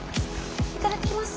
いただきます。